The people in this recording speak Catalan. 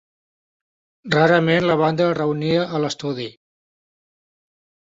Rarament la banda es reunia a l'estudi.